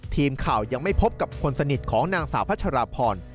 ทีมข่าวยังไม่พบกับคนสนิทของนางสาวพัชราพร